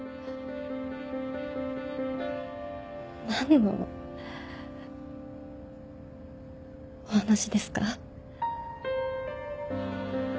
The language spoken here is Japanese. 何のお話ですか？